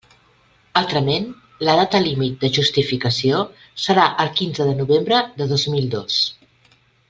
Altrament, la data límit de justificació serà el quinze de novembre de dos mil dos.